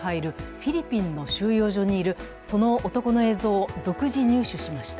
フィリピンの収容所にいるその男の映像を独自入手しました。